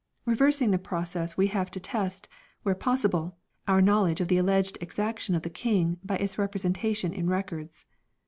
Reversing the process we have to test, where pos sible, our knowledge of the alleged exaction of the King by its representation in Records.